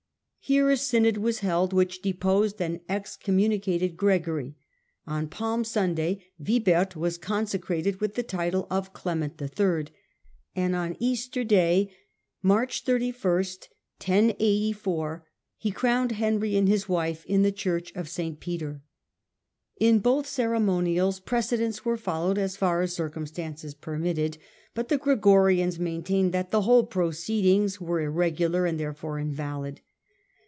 Here a synod was held, which deposed and excommunicated Gregory ; on Palm Sunday Wibert was consecrated with the title of Clement III., and on Easter day (March 31), he crowned Henry and his wife in the Church of St. Peter. In both ceremonials precedents were followed as far as circumstances permitted ; but the Gregorians main tained that the whole proceedings were irregular, and therefore invalid.